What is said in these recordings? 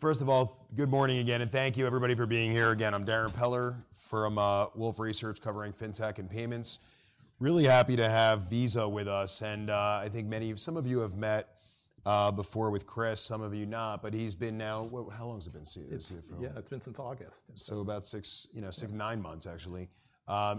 First of all, good morning again, and thank you, everybody, for being here. Again, I'm Darrin Peller from Wolfe Research covering fintech and payments. Really happy to have Visa with us. I think many of some of you have met before with Chris, some of you not. He's been now how long has it been since you've been here? Yeah, it's been since August. So about 6, you know, 6, 9 months, actually,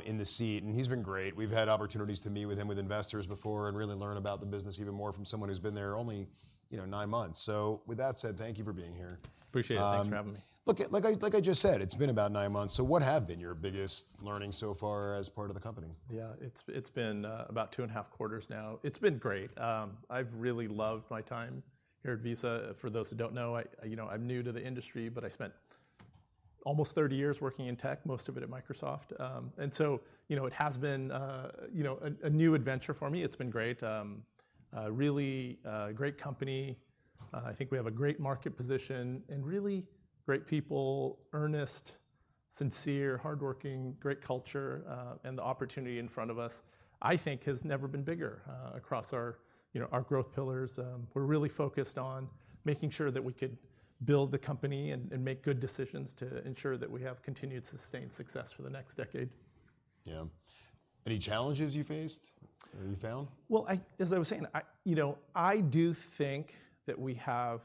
in the seat. And he's been great. We've had opportunities to meet with him, with investors before, and really learn about the business even more from someone who's been there only, you know, 9 months. So with that said, thank you for being here. Appreciate it. Thanks for having me. Look, like I just said, it's been about nine months. So what have been your biggest learnings so far as part of the company? Yeah, it's been about 2.5 quarters now. It's been great. I've really loved my time here at Visa. For those who don't know, you know, I'm new to the industry, but I spent almost 30 years working in tech, most of it at Microsoft. And so, you know, it has been, you know, a new adventure for me. It's been great. Really great company. I think we have a great market position and really great people, earnest, sincere, hardworking, great culture. And the opportunity in front of us, I think, has never been bigger across our, you know, our growth pillars. We're really focused on making sure that we could build the company and make good decisions to ensure that we have continued sustained success for the next decade. Yeah. Any challenges you faced or you found? Well, as I was saying, you know, I do think that we have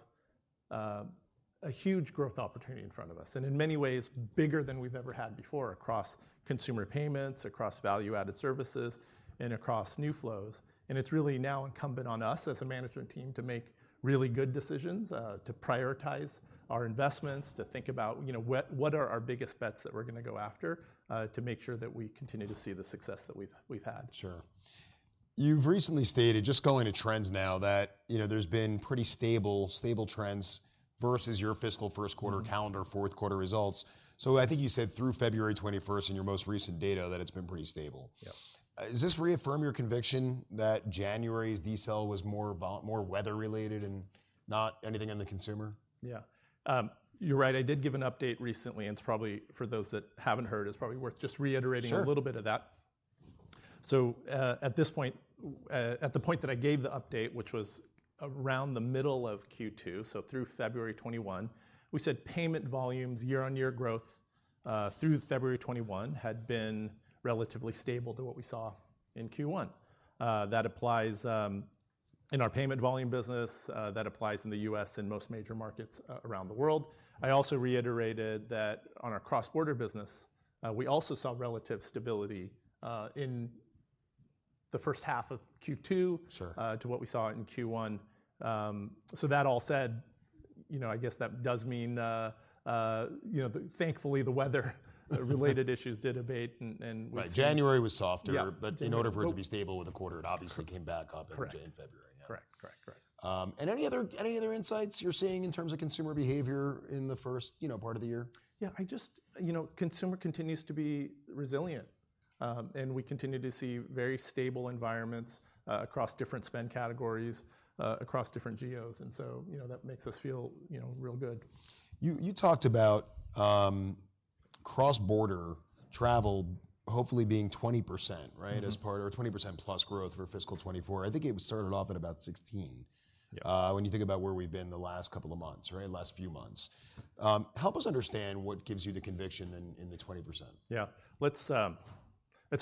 a huge growth opportunity in front of us, and in many ways bigger than we've ever had before across consumer payments, across value-added services, and across new flows. It's really now incumbent on us as a management team to make really good decisions, to prioritize our investments, to think about, you know, what are our biggest bets that we're going to go after to make sure that we continue to see the success that we've had. Sure. You've recently stated, just going to trends now, that, you know, there's been pretty stable, stable trends versus your fiscal Q1 calendar, Q4 results. So I think you said through February 21st and your most recent data that it's been pretty stable. Yeah. Does this reaffirm your conviction that January's decel was more weather-related and not anything on the consumer? Yeah, you're right. I did give an update recently. It's probably, for those that haven't heard, it's probably worth just reiterating a little bit of that. So at this point, at the point that I gave the update, which was around the middle of Q2, so through February 21, we said payment volumes, year-on-year growth through February 21 had been relatively stable to what we saw in Q1. That applies in our payment volume business. That applies in the U.S. and most major markets around the world. I also reiterated that on our cross-border business, we also saw relative stability in the first half of Q2 to what we saw in Q1. So that all said, you know, I guess that does mean, you know, thankfully, the weather-related issues did abate. Right. January was softer. In order for it to be stable with a quarter, it obviously came back up in January and February. Correct. Correct. Correct. Any other insights you're seeing in terms of consumer behavior in the first, you know, part of the year? Yeah, I just, you know, consumer continues to be resilient. We continue to see very stable environments across different spend categories, across different geos. So, you know, that makes us feel, you know, real good. You talked about cross-border travel hopefully being 20%, right, as part or 20% plus growth for fiscal 2024. I think it started off at about 16% when you think about where we've been the last couple of months, right, last few months. Help us understand what gives you the conviction in the 20%? Yeah, let's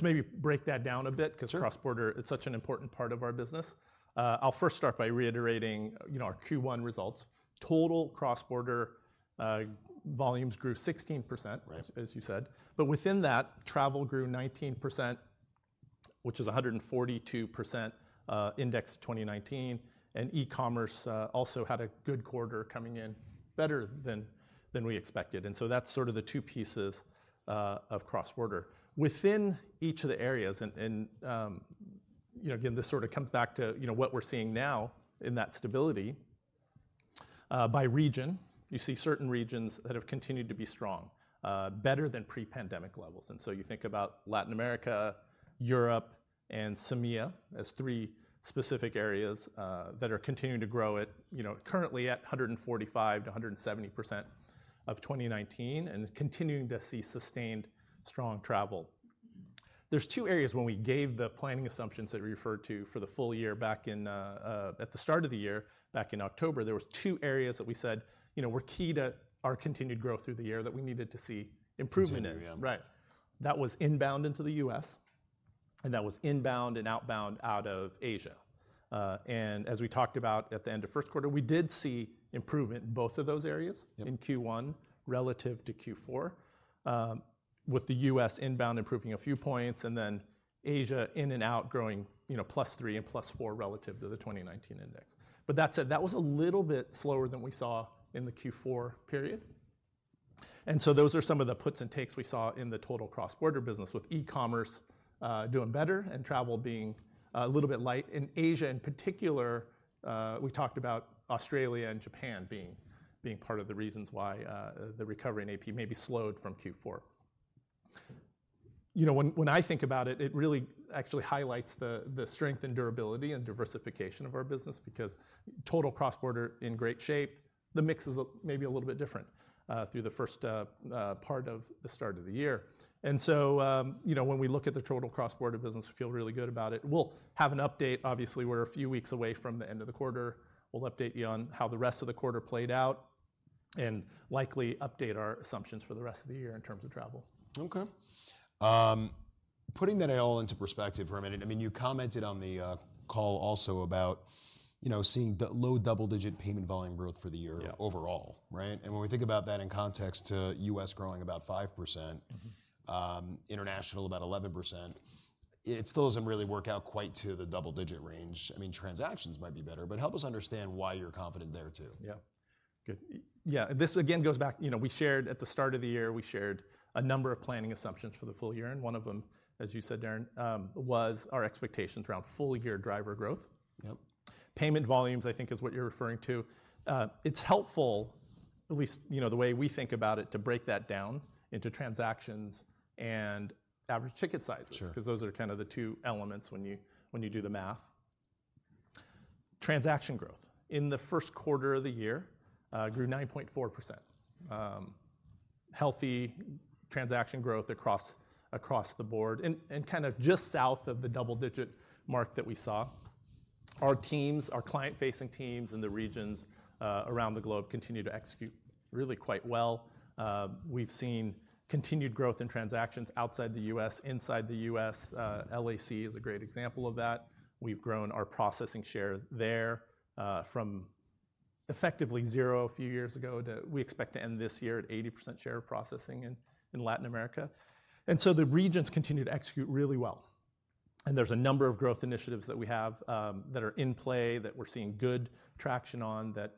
maybe break that down a bit because cross-border, it's such an important part of our business. I'll first start by reiterating, you know, our Q1 results. Total cross-border volumes grew 16%, as you said. But within that, travel grew 19%, which is 142% indexed to 2019. And e-commerce also had a good quarter coming in, better than we expected. And so that's sort of the two pieces of cross-border. Within each of the areas and, you know, again, this sort of comes back to, you know, what we're seeing now in that stability. By region, you see certain regions that have continued to be strong, better than pre-pandemic levels. And so you think about Latin America, Europe, and CEMEA as three specific areas that are continuing to grow at, you know, currently at 145%-170% of 2019 and continuing to see sustained, strong travel. There's two areas when we gave the planning assumptions that we referred to for the full year back in, at the start of the year, back in October, there were two areas that we said, you know, were key to our continued growth through the year that we needed to see improvement in. CEMEA, yeah. Right. That was inbound into the U.S. And that was inbound and outbound out of Asia. And as we talked about at the end of Q1, we did see improvement in both of those areas in Q1 relative to Q4, with the U.S. inbound improving a few points and then Asia in and out growing, you know, +3 and +4 relative to the 2019 index. But that said, that was a little bit slower than we saw in the Q4 period. And so those are some of the puts and takes we saw in the total cross-border business, with e-commerce doing better and travel being a little bit light. In Asia in particular, we talked about Australia and Japan being part of the reasons why the recovery in AP maybe slowed from Q4. You know, when I think about it, it really actually highlights the strength and durability and diversification of our business because total cross-border in great shape, the mix is maybe a little bit different through the first part of the start of the year. And so, you know, when we look at the total cross-border business, we feel really good about it. We'll have an update. Obviously, we're a few weeks away from the end of the quarter. We'll update you on how the rest of the quarter played out and likely update our assumptions for the rest of the year in terms of travel. OK. Putting that all into perspective for a minute, I mean, you commented on the call also about, you know, seeing the low double-digit payment volume growth for the year overall, right? And when we think about that in context to U.S. growing about 5%, international about 11%, it still doesn't really work out quite to the double-digit range. I mean, transactions might be better. But help us understand why you're confident there, too? Yeah, good. Yeah, this again goes back, you know, we shared at the start of the year, we shared a number of planning assumptions for the full year. One of them, as you said, Darren, was our expectations around full-year driver growth. Payment volumes, I think, is what you're referring to. It's helpful, at least, you know, the way we think about it, to break that down into transactions and average ticket sizes because those are kind of the two elements when you do the math. Transaction growth in the Q1 of the year grew 9.4%, healthy transaction growth across the board and kind of just south of the double-digit mark that we saw. Our teams, our client-facing teams in the regions around the globe continue to execute really quite well. We've seen continued growth in transactions outside the US, inside the US. LAC is a great example of that. We've grown our processing share there from effectively 0 a few years ago to we expect to end this year at 80% share of processing in Latin America. So the regions continue to execute really well. There's a number of growth initiatives that we have that are in play that we're seeing good traction on that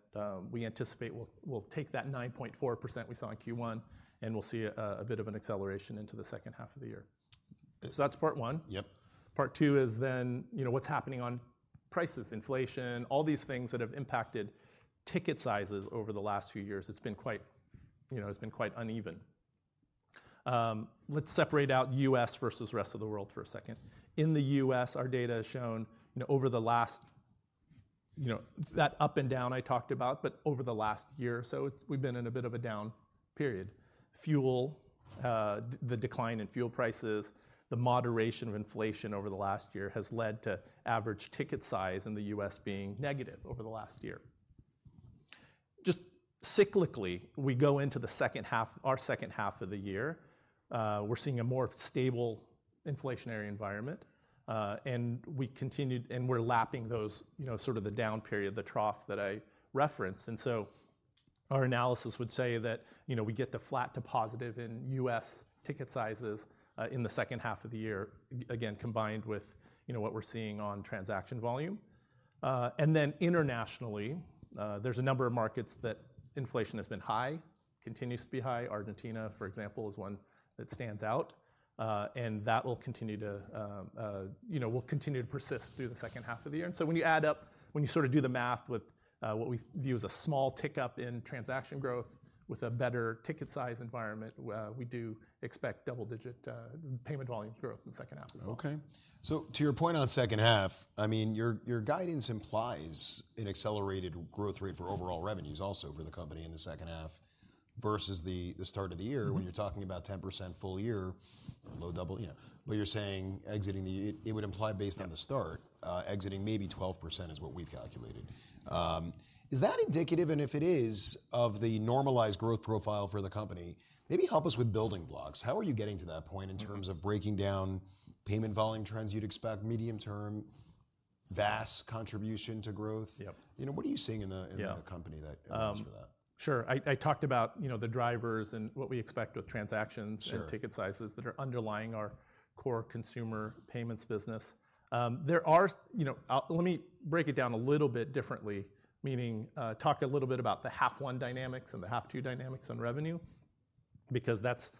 we anticipate will take that 9.4% we saw in Q1 and we'll see a bit of an acceleration into the second half of the year. So that's part one. Part two is then, you know, what's happening on prices, inflation, all these things that have impacted ticket sizes over the last few years. It's been quite, you know, it's been quite uneven. Let's separate out US versus the rest of the world for a second. In the U.S., our data has shown, you know, over the last, you know, that up and down I talked about, but over the last year or so, we've been in a bit of a down period. Fuel, the decline in fuel prices, the moderation of inflation over the last year has led to average ticket size in the U.S. being negative over the last year. Just cyclically, we go into the second half, our second half of the year. We're seeing a more stable inflationary environment. And we continued and we're lapping those, you know, sort of the down period, the trough that I referenced. And so our analysis would say that, you know, we get to flat to positive in U.S. ticket sizes in the second half of the year, again, combined with, you know, what we're seeing on transaction volume. Then internationally, there's a number of markets that inflation has been high, continues to be high. Argentina, for example, is one that stands out. That will continue to, you know, will continue to persist through the second half of the year. So when you add up, when you sort of do the math with what we view as a small tick up in transaction growth with a better ticket size environment, we do expect double-digit payment volumes growth in the second half of the year. OK. So to your point on second half, I mean, your guidance implies an accelerated growth rate for overall revenues also for the company in the second half versus the start of the year when you're talking about 10% full year, low double, you know. But you're saying exiting the year, it would imply based on the start, exiting maybe 12% is what we've calculated. Is that indicative? And if it is, of the normalized growth profile for the company? Maybe help us with building blocks. How are you getting to that point in terms of breaking down payment volume trends you'd expect medium term, vast contribution to growth? You know, what are you seeing in the company that answers that? Sure. I talked about, you know, the drivers and what we expect with transactions and ticket sizes that are underlying our core consumer payments business. You know, let me break it down a little bit differently, meaning talk a little bit about the half one dynamics and the half two dynamics on revenue because that's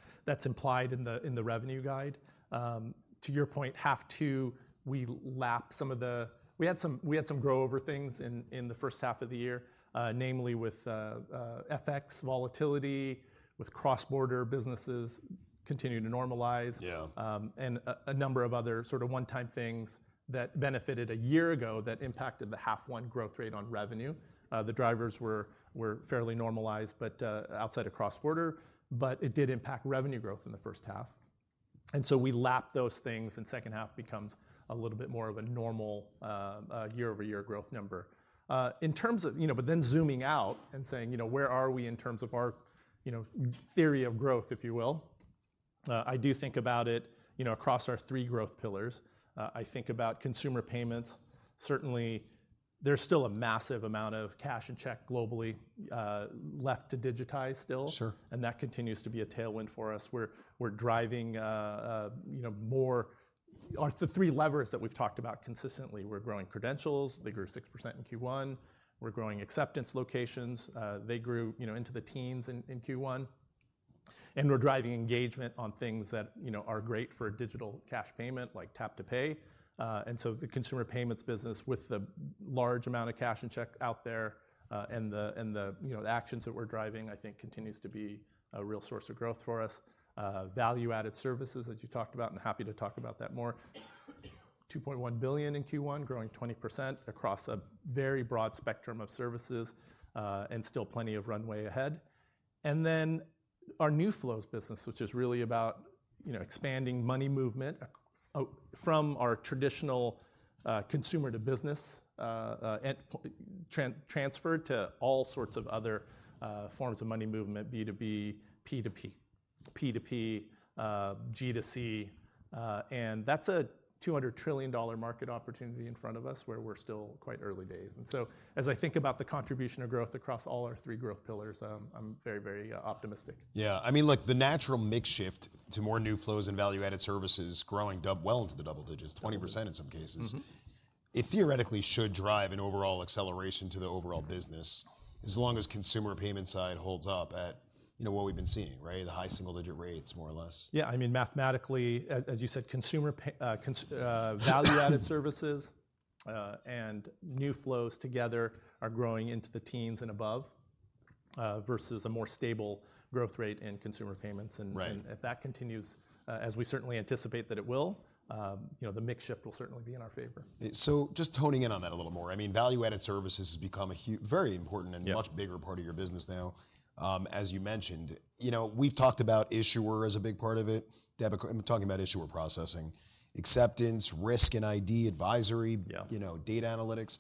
implied in the revenue guide. To your point, half two, we lapped some of the we had some grow over things in the first half of the year, namely with FX volatility, with cross-border businesses continuing to normalize, and a number of other sort of one-time things that benefited a year ago that impacted the half one growth rate on revenue. The drivers were fairly normalized but outside of cross-border. It did impact revenue growth in the first half. We lapped those things. Second half becomes a little bit more of a normal year-over-year growth number. In terms of, you know, but then zooming out and saying, you know, where are we in terms of our, you know, theory of growth, if you will? I do think about it, you know, across our three growth pillars. I think about consumer payments. Certainly, there's still a massive amount of cash and check globally left to digitize still. And that continues to be a tailwind for us. We're driving, you know, more the three levers that we've talked about consistently. We're growing credentials. They grew 6% in Q1. We're growing acceptance locations. They grew, you know, into the teens in Q1. And we're driving engagement on things that, you know, are great for digital cash payment, like Tap to Pay. And so the consumer payments business with the large amount of cash and check out there and the, you know, actions that we're driving, I think, continues to be a real source of growth for us. Value-added services that you talked about. And happy to talk about that more. $2.1 billion in Q1, growing 20% across a very broad spectrum of services and still plenty of runway ahead. And then our new flows business, which is really about, you know, expanding money movement from our traditional consumer to business and transferred to all sorts of other forms of money movement, B2B, P2P, P2P, G2C. And that's a $200 trillion market opportunity in front of us where we're still quite early days. And so as I think about the contribution of growth across all our three growth pillars, I'm very, very optimistic. Yeah, I mean, look, the natural mix shift to more new flows and value-added services growing well into the double digits, 20% in some cases, it theoretically should drive an overall acceleration to the overall business as long as consumer payment side holds up at, you know, what we've been seeing, right, the high single-digit rates more or less. Yeah, I mean, mathematically, as you said, value-added services and new flows together are growing into the teens and above versus a more stable growth rate in consumer payments. If that continues, as we certainly anticipate that it will, you know, the mix will certainly be in our favor. So just honing in on that a little more. I mean, value-added services has become a very important and much bigger part of your business now, as you mentioned. You know, we've talked about issuer as a big part of it, debit. I'm talking about issuer processing, acceptance, risk and ID, advisory, you know, data analytics.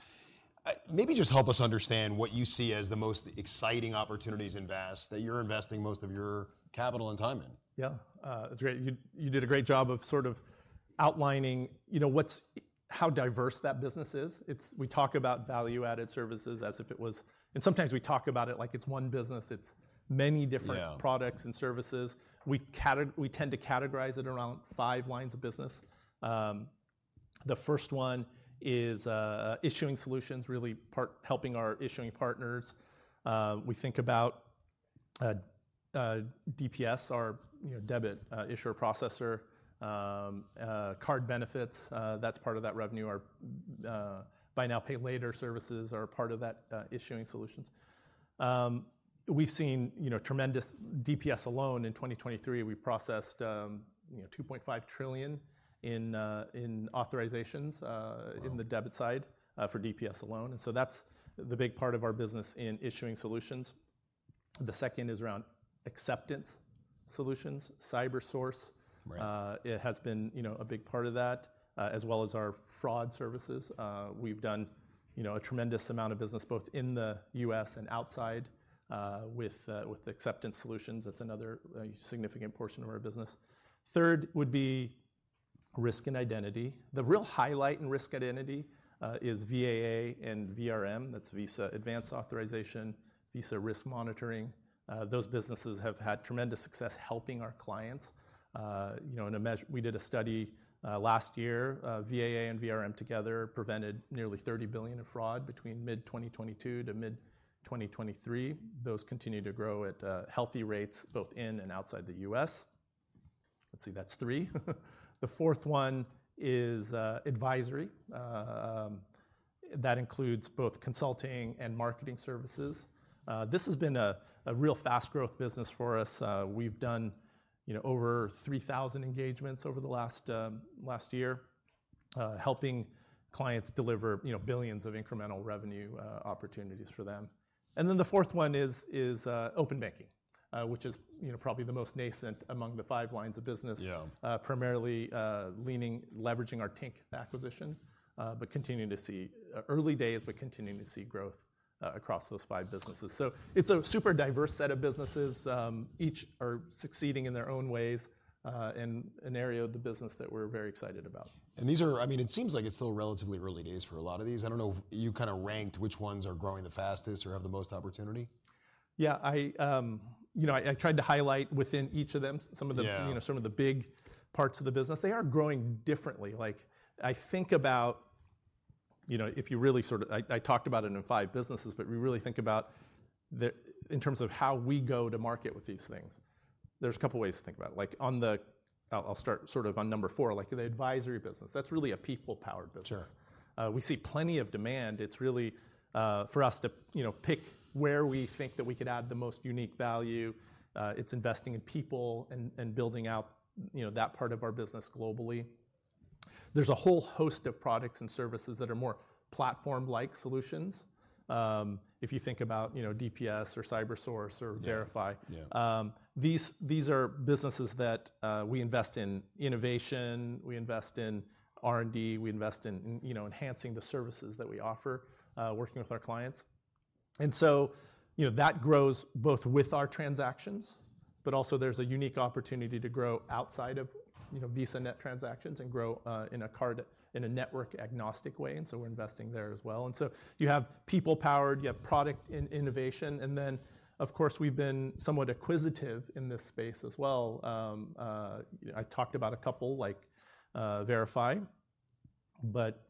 Maybe just help us understand what you see as the most exciting opportunities in VAS that you're investing most of your capital and time in. Yeah, that's great. You did a great job of sort of outlining, you know, how diverse that business is. We talk about value-added services as if it was and sometimes we talk about it like it's one business. It's many different products and services. We tend to categorize it around five lines of business. The first one is issuing solutions, really helping our issuing partners. We think about DPS, our debit issuer processor, card benefits. That's part of that revenue. Our buy now, pay later services are part of that issuing solutions. We've seen, you know, tremendous DPS alone in 2023, we processed, you know, $2.5 trillion in authorizations in the debit side for DPS alone. And so that's the big part of our business in issuing solutions. The second is around acceptance solutions, CyberSource. It has been, you know, a big part of that, as well as our fraud services. We've done, you know, a tremendous amount of business both in the US and outside with acceptance solutions. That's another significant portion of our business. Third would be risk and identity. The real highlight in risk identity is VAA and VRM. That's Visa Advanced Authorization, Visa Risk Manager. Those businesses have had tremendous success helping our clients. You know, we did a study last year. VAA and VRM together prevented nearly $30 billion of fraud between mid-2022 to mid-2023. Those continue to grow at healthy rates both in and outside the US. Let's see, that's three. The fourth one is advisory. That includes both consulting and marketing services. This has been a real fast-growth business for us. We've done, you know, over 3,000 engagements over the last year, helping clients deliver, you know, billions of incremental revenue opportunities for them. And then the fourth one is open banking, which is, you know, probably the most nascent among the five lines of business, primarily leveraging our Tink acquisition but continuing to see early days but continuing to see growth across those five businesses. So it's a super diverse set of businesses. Each are succeeding in their own ways in an area of the business that we're very excited about. These are, I mean, it seems like it's still relatively early days for a lot of these. I don't know if you kind of ranked which ones are growing the fastest or have the most opportunity? Yeah, I, you know, I tried to highlight within each of them some of the, you know, some of the big parts of the business. They are growing differently. Like, I think about, you know, if you really sort of I talked about it in five businesses. But we really think about in terms of how we go to market with these things. There's a couple of ways to think about it. Like, on the I'll start sort of on number four, like the advisory business. That's really a people-powered business. We see plenty of demand. It's really for us to, you know, pick where we think that we could add the most unique value. It's investing in people and building out, you know, that part of our business globally. There's a whole host of products and services that are more platform-like solutions. If you think about, you know, DPS or CyberSource or Verifi, these are businesses that we invest in innovation. We invest in R&D. We invest in, you know, enhancing the services that we offer, working with our clients. And so, you know, that grows both with our transactions. But also, there's a unique opportunity to grow outside of, you know, VisaNet transactions and grow in a network-agnostic way. And so we're investing there as well. And so you have people-powered. You have product innovation. And then, of course, we've been somewhat acquisitive in this space as well. I talked about a couple, like Verifi. But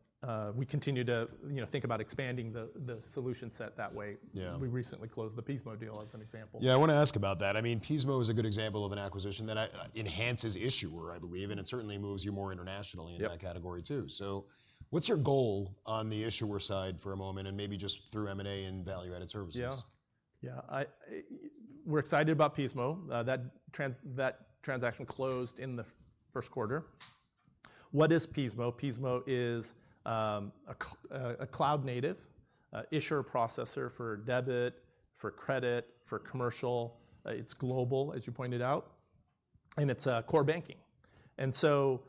we continue to, you know, think about expanding the solution set that way. We recently closed the Pismo deal as an example. Yeah, I want to ask about that. I mean, Pismo is a good example of an acquisition that enhances issuer, I believe. And it certainly moves you more internationally in that category too. So what's your goal on the issuer side for a moment and maybe just through M&A and value-added services? Yeah, yeah, we're excited about Pismo. That transaction closed in the Q1. What is Pismo? Pismo is a cloud-native issuer processor for debit, for credit, for commercial. It's global, as you pointed out. And it's core banking. And so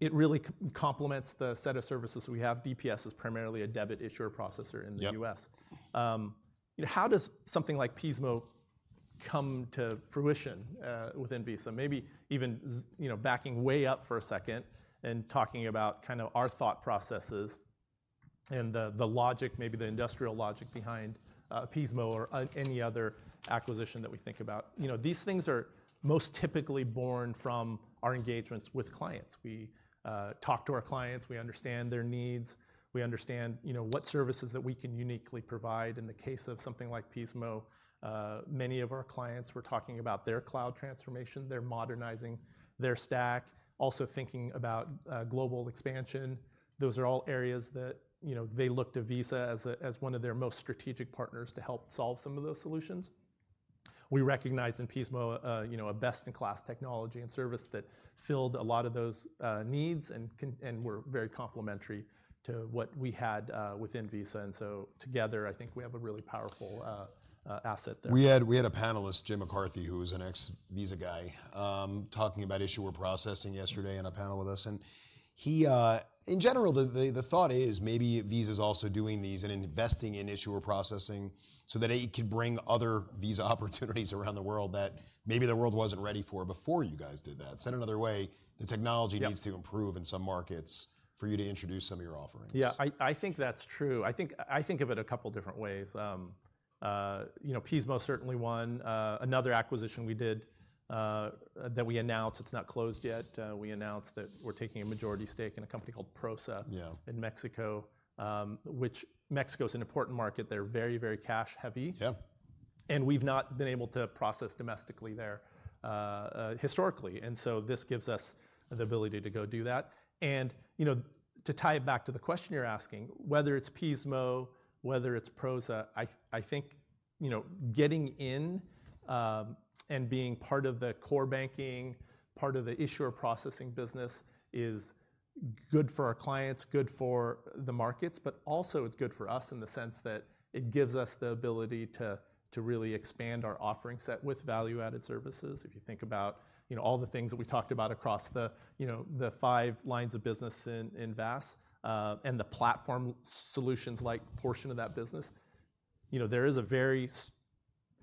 it really complements the set of services we have. DPS is primarily a debit issuer processor in the U.S. You know, how does something like Pismo come to fruition within Visa? Maybe even, you know, backing way up for a second and talking about kind of our thought processes and the logic, maybe the industrial logic behind Pismo or any other acquisition that we think about. You know, these things are most typically born from our engagements with clients. We talk to our clients. We understand their needs. We understand, you know, what services that we can uniquely provide. In the case of something like Pismo, many of our clients, we're talking about their cloud transformation. They're modernizing their stack, also thinking about global expansion. Those are all areas that, you know, they look to Visa as one of their most strategic partners to help solve some of those solutions. We recognize in Pismo, you know, a best-in-class technology and service that filled a lot of those needs. And we're very complementary to what we had within Visa. And so together, I think we have a really powerful asset there. We had a panelist, Jim McCarthy, who is an ex-Visa guy, talking about issuer processing yesterday in a panel with us. And he, in general, the thought is maybe Visa is also doing these and investing in issuer processing so that it could bring other Visa opportunities around the world that maybe the world wasn't ready for before you guys did that. Said another way, the technology needs to improve in some markets for you to introduce some of your offerings. Yeah, I think that's true. I think of it a couple of different ways. You know, Pismo is certainly one. Another acquisition we did that we announced. It's not closed yet. We announced that we're taking a majority stake in a company called Prosa in Mexico, which Mexico is an important market. They're very, very cash-heavy. And we've not been able to process domestically there historically. And so this gives us the ability to go do that. And, you know, to tie it back to the question you're asking, whether it's Pismo, whether it's Prosa, I think, you know, getting in and being part of the core banking, part of the issuer processing business is good for our clients, good for the markets. But also, it's good for us in the sense that it gives us the ability to really expand our offering set with value-added services. If you think about, you know, all the things that we talked about across the, you know, the five lines of business in VAS and the platform solutions-like portion of that business, you know, there is a very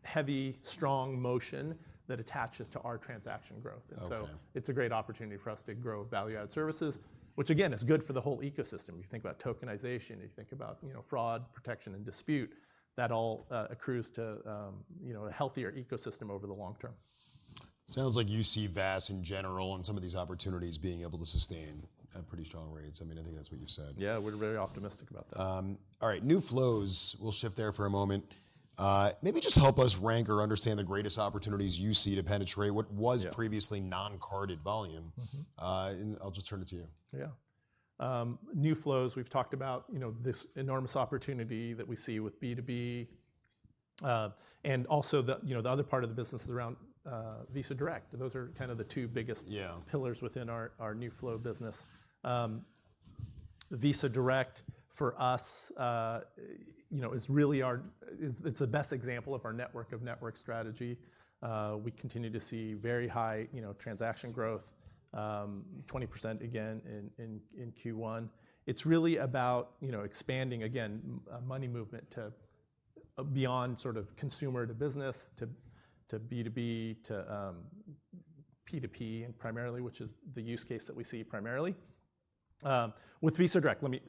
heavy, strong motion that attaches to our transaction growth. And so it's a great opportunity for us to grow Value-Added Services, which, again, is good for the whole ecosystem. You think about tokenization. You think about, you know, fraud, protection, and dispute. That all accrues to, you know, a healthier ecosystem over the long term. Sounds like you see VAS in general and some of these opportunities being able to sustain pretty strong rates. I mean, I think that's what you've said. Yeah, we're very optimistic about that. All right, new flows. We'll shift there for a moment. Maybe just help us rank or understand the greatest opportunities you see to penetrate what was previously non-carded volume? And I'll just turn it to you. Yeah, new flows. We've talked about, you know, this enormous opportunity that we see with B2B. And also, you know, the other part of the business is around Visa Direct. Those are kind of the two biggest pillars within our new flow business. Visa Direct, for us, you know, is really our it's the best example of our network of network strategy. We continue to see very high transaction growth, 20% again in Q1. It's really about, you know, expanding, again, money movement beyond sort of consumer to business, to B2B, to P2P primarily, which is the use case that we see primarily. With Visa Direct, let me,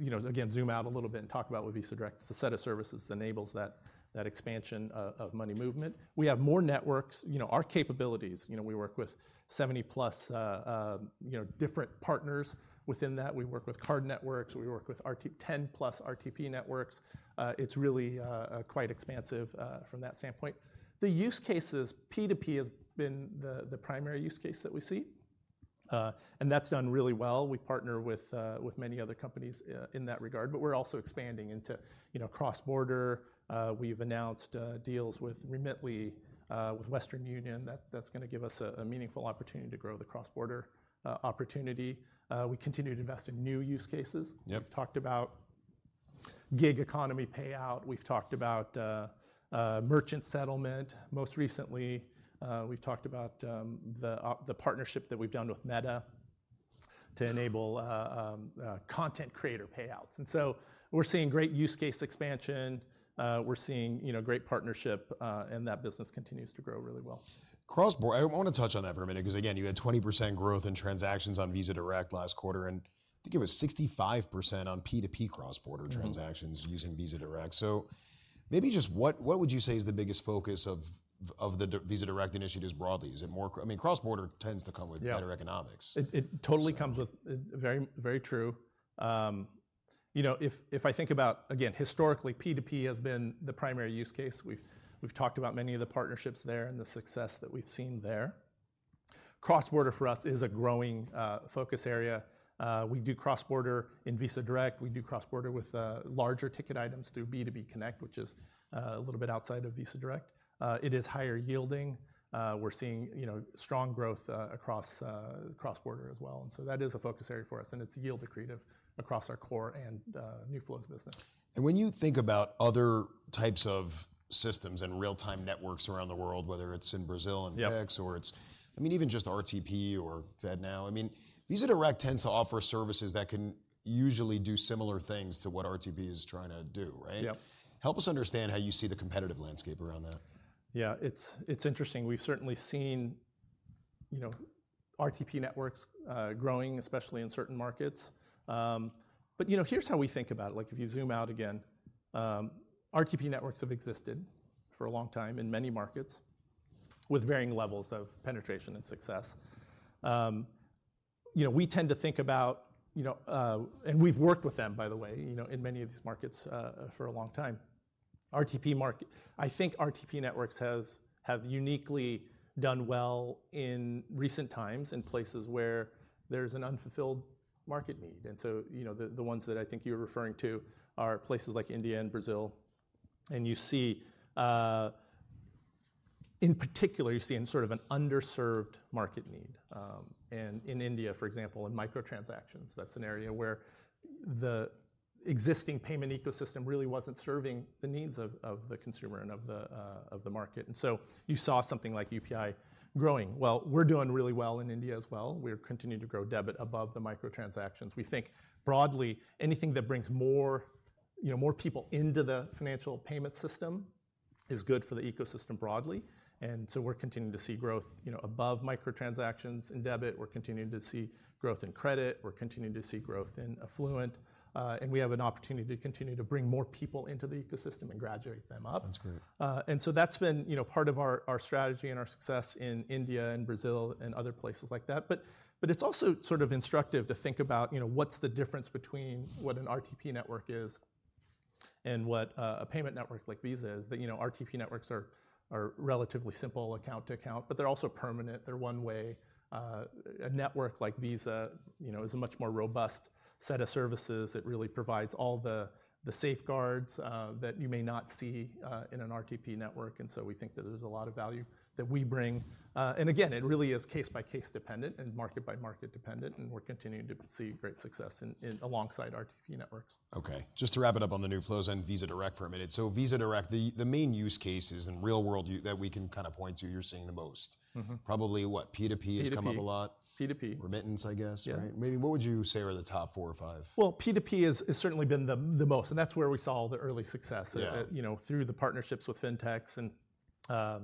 you know, again, zoom out a little bit and talk about what Visa Direct is, the set of services that enables that expansion of money movement. We have more networks, you know, our capabilities. You know, we work with 70+, you know, different partners within that. We work with card networks. We work with 10+ RTP networks. It's really quite expansive from that standpoint. The use cases, P2P has been the primary use case that we see. And that's done really well. We partner with many other companies in that regard. But we're also expanding into, you know, cross-border. We've announced deals with Remitly, with Western Union. That's going to give us a meaningful opportunity to grow the cross-border opportunity. We continue to invest in new use cases. We've talked about gig economy payout. We've talked about merchant settlement. Most recently, we've talked about the partnership that we've done with Meta to enable content creator payouts. And so we're seeing great use case expansion. We're seeing, you know, great partnership. And that business continues to grow really well. Cross-border, I want to touch on that for a minute. Because, again, you had 20% growth in transactions on Visa Direct last quarter. And I think it was 65% on P2P cross-border transactions using Visa Direct. So maybe just what would you say is the biggest focus of the Visa Direct initiatives broadly? Is it more? I mean, cross-border tends to come with better economics. Yeah, that totally rings very, very true. You know, if I think about, again, historically, P2P has been the primary use case. We've talked about many of the partnerships there and the success that we've seen there. Cross-border, for us, is a growing focus area. We do cross-border in Visa Direct. We do cross-border with larger ticket items through B2B Connect, which is a little bit outside of Visa Direct. It is higher yielding. We're seeing, you know, strong growth across cross-border as well. And so that is a focus area for us. And it's yield accretive across our core and new flows business. When you think about other types of systems and real-time networks around the world, whether it's in Brazil and Pix or it's, I mean, even just RTP or FedNow, I mean, Visa Direct tends to offer services that can usually do similar things to what RTP is trying to do, right? Yep. Help us understand how you see the competitive landscape around that? Yeah, it's interesting. We've certainly seen, you know, RTP networks growing, especially in certain markets. But, you know, here's how we think about it. Like, if you zoom out again, RTP networks have existed for a long time in many markets with varying levels of penetration and success. You know, we tend to think about, you know, and we've worked with them, by the way, you know, in many of these markets for a long time. I think RTP networks have uniquely done well in recent times in places where there's an unfulfilled market need. And so, you know, the ones that I think you're referring to are places like India and Brazil. And you see, in particular, you see sort of an underserved market need. In India, for example, in microtransactions, that's an area where the existing payment ecosystem really wasn't serving the needs of the consumer and of the market. And so you saw something like UPI growing. Well, we're doing really well in India as well. We're continuing to grow debit above the microtransactions. We think, broadly, anything that brings more, you know, more people into the financial payment system is good for the ecosystem broadly. And so we're continuing to see growth, you know, above microtransactions in debit. We're continuing to see growth in credit. We're continuing to see growth in affluent. And we have an opportunity to continue to bring more people into the ecosystem and graduate them up. That's great. And so that's been, you know, part of our strategy and our success in India and Brazil and other places like that. But it's also sort of instructive to think about, you know, what's the difference between what an RTP network is and what a payment network like Visa is, that, you know, RTP networks are relatively simple account to account. But they're also permanent. They're one way. A network like Visa, you know, is a much more robust set of services. It really provides all the safeguards that you may not see in an RTP network. And so we think that there's a lot of value that we bring. And, again, it really is case by case dependent and market by market dependent. And we're continuing to see great success alongside RTP networks. OK, just to wrap it up on the new flows and Visa Direct for a minute. So Visa Direct, the main use cases in real world that we can kind of point to, you're seeing the most, probably what, P2P has come up a lot. P2P. Remittance, I guess, right? Maybe what would you say are the top four or five? Well, P2P has certainly been the most. That's where we saw the early success, you know, through the partnerships with fintechs and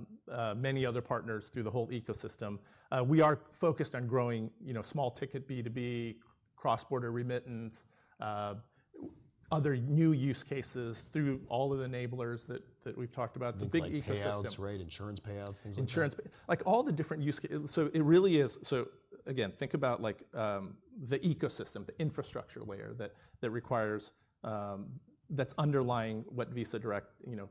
many other partners through the whole ecosystem. We are focused on growing, you know, small ticket B2B, cross-border remittance, other new use cases through all of the enablers that we've talked about, the big ecosystem. Like payouts, right? Insurance payouts, things like that. Insurance, like all the different use cases. So it really is so, again, think about, like, the ecosystem, the infrastructure layer that requires that's underlying what Visa Direct, you know,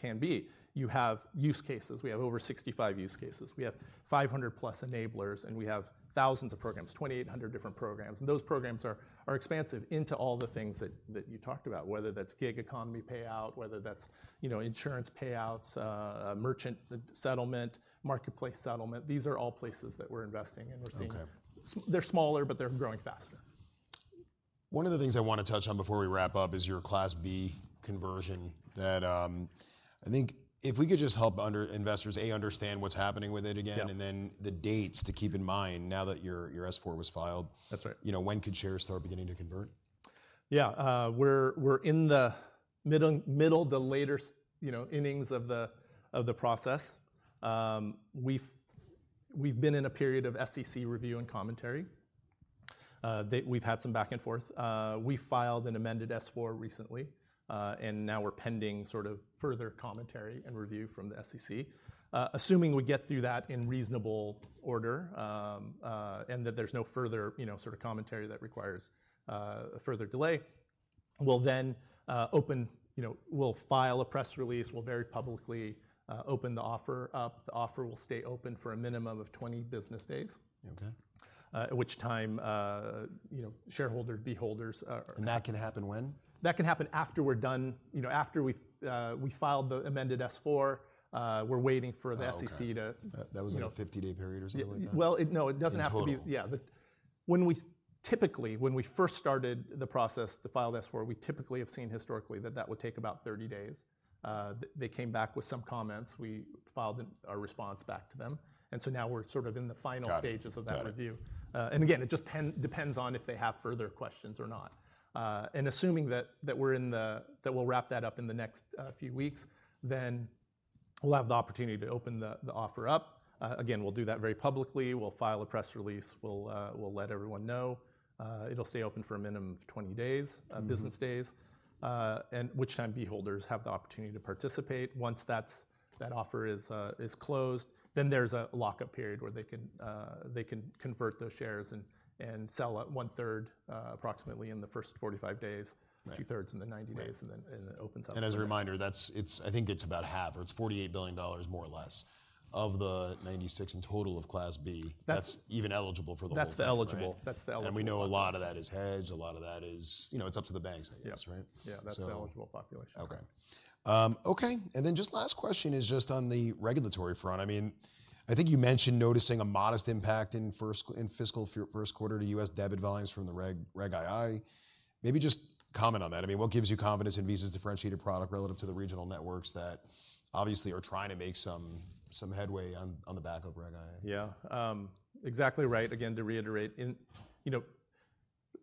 can be. You have use cases. We have over 65 use cases. We have 500+ enablers. And we have thousands of programs, 2,800 different programs. And those programs are expansive into all the things that you talked about, whether that's gig economy payout, whether that's, you know, insurance payouts, merchant settlement, marketplace settlement. These are all places that we're investing in. They're smaller, but they're growing faster. One of the things I want to touch on before we wrap up is your Class B conversion that I think if we could just help investors understand what's happening with it again and then the dates to keep in mind now that your S-4 was filed. That's right. You know, when could shares start beginning to convert? Yeah, we're in the middle, the later, you know, innings of the process. We've been in a period of SEC review and commentary. We've had some back and forth. We filed an amended S-4 recently. And now we're pending sort of further commentary and review from the SEC. Assuming we get through that in reasonable order and that there's no further, you know, sort of commentary that requires further delay, we'll then open, you know, we'll file a press release. We'll very publicly open the offer up. The offer will stay open for a minimum of 20 business days, at which time, you know, shareholder beholders are. That can happen when? That can happen after we're done, you know, after we filed the amended S-4. We're waiting for the SEC to. Oh, OK. That was in a 50-day period or something like that? Well, no, it doesn't have to be. Yeah. When we typically, when we first started the process to file the S-4, we typically have seen historically that that would take about 30 days. They came back with some comments. We filed our response back to them. And so now we're sort of in the final stages of that review. And, again, it just depends on if they have further questions or not. And assuming that we're in the that we'll wrap that up in the next few weeks, then we'll have the opportunity to open the offer up. Again, we'll do that very publicly. We'll file a press release. We'll let everyone know. It'll stay open for a minimum of 20 business days, at which time holders have the opportunity to participate. Once that offer is closed, then there's a lockup period where they can convert those shares and sell at 1/3 approximately in the first 45 days, 2/3 in the 90 days, and then it opens up. As a reminder, I think it's about half, or it's $48 billion more or less of the $96 billion in total of Class B. That's even eligible for the whole thing. That's the eligible. We know a lot of that is hedged. A lot of that is, you know, it's up to the banks, I guess, right? Yeah, that's the eligible population. OK, OK. Then just last question is just on the regulatory front. I mean, I think you mentioned noticing a modest impact in fiscal Q1 to U.S. debit volumes from the Reg II. Maybe just comment on that. I mean, what gives you confidence in Visa's differentiated product relative to the regional networks that obviously are trying to make some headway on the back of Reg II? Yeah, exactly right. Again, to reiterate, you know,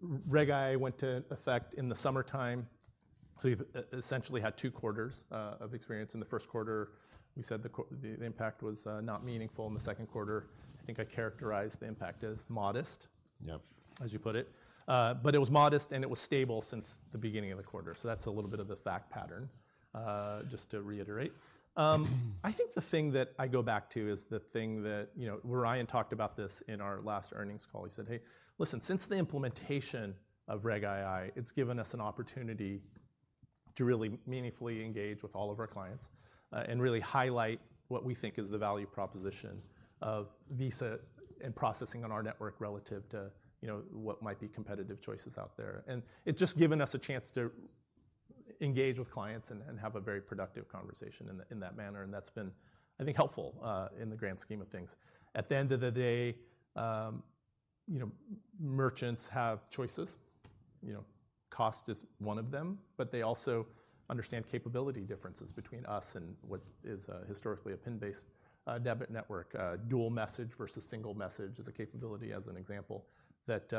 Reg II went into effect in the summertime. So we've essentially had two quarters of experience. In the Q1, we said the impact was not meaningful. In the Q2, I think I characterized the impact as modest, as you put it. But it was modest. And it was stable since the beginning of the quarter. So that's a little bit of the fact pattern, just to reiterate. I think the thing that I go back to is the thing that, you know, where Ryan talked about this in our last earnings call. He said, hey, listen, since the implementation of Reg II, it's given us an opportunity to really meaningfully engage with all of our clients and really highlight what we think is the value proposition of Visa and processing on our network relative to, you know, what might be competitive choices out there. It's just given us a chance to engage with clients and have a very productive conversation in that manner. That's been, I think, helpful in the grand scheme of things. At the end of the day, you know, merchants have choices. You know, cost is one of them. But they also understand capability differences between us and what is historically a PIN-based debit network, dual message versus single message as a capability, as an example, that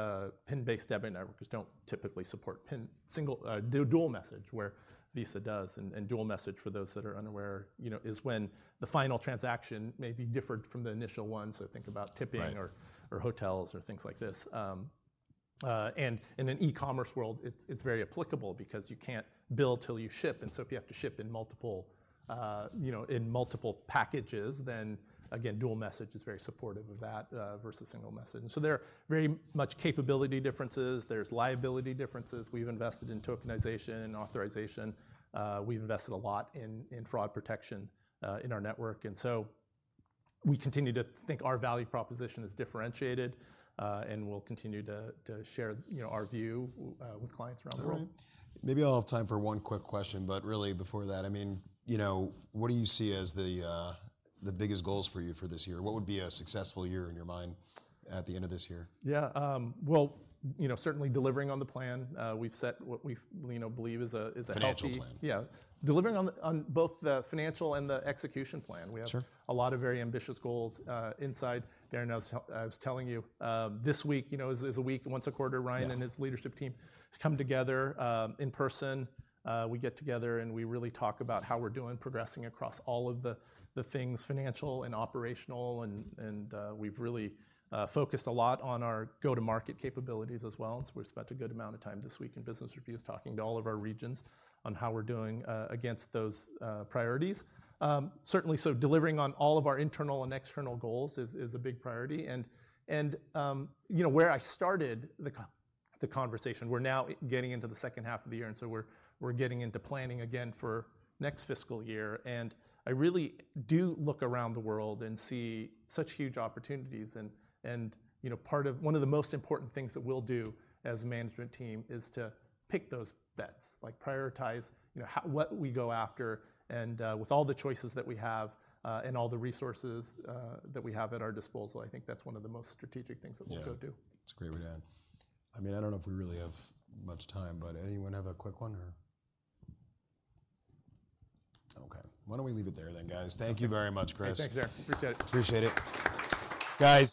PIN-based debit networks don't typically support dual message, where Visa does. Dual message, for those that are unaware, you know, is when the final transaction maybe differed from the initial one. So think about tipping or hotels or things like this. And in an e-commerce world, it's very applicable because you can't bill till you ship. And so if you have to ship in multiple, you know, in multiple packages, then, again, dual message is very supportive of that versus single message. And so there are very much capability differences. There's liability differences. We've invested in Tokenization and authorization. We've invested a lot in fraud protection in our network. And so we continue to think our value proposition is differentiated. And we'll continue to share our view with clients around the world. Jeremy, maybe I'll have time for one quick question. But really, before that, I mean, you know, what do you see as the biggest goals for you for this year? What would be a successful year in your mind at the end of this year? Yeah, well, you know, certainly delivering on the plan we've set, what we believe is a healthy. Financial plan. Yeah, delivering on both the financial and the execution plan. We have a lot of very ambitious goals inside. Darren, I was telling you, this week, you know, is a week once a quarter, Ryan, and his leadership team come together in person. We get together. And we really talk about how we're doing, progressing across all of the things, financial and operational. And we've really focused a lot on our go-to-market capabilities as well. And so we've spent a good amount of time this week in business reviews talking to all of our regions on how we're doing against those priorities. Certainly, so delivering on all of our internal and external goals is a big priority. And, you know, where I started the conversation, we're now getting into the second half of the year. And so we're getting into planning again for next fiscal year. I really do look around the world and see such huge opportunities. You know, part of one of the most important things that we'll do as a management team is to pick those bets, like prioritize what we go after. With all the choices that we have and all the resources that we have at our disposal, I think that's one of the most strategic things that we'll go do. Yeah, it's a great way to end. I mean, I don't know if we really have much time. But anyone have a quick one or? OK, why don't we leave it there then, guys. Thank you very much, Chris. Thanks, Darren. Appreciate it. Appreciate it. Guys.